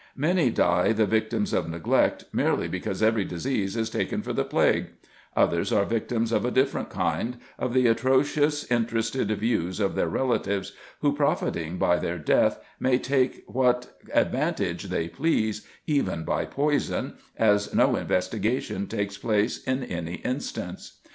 Many die the vic tims of neglect, merely because every disease is taken for the plague : others are victims of a different kind, of the atrocious, interested views of their relatives, who, profiting by their death, may take what advantage they please, even by poison, as no investigation takes place in any instance.